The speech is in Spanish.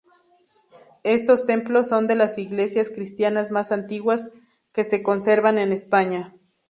Estos templos son de las iglesias cristianas más antiguas que se conservan en España.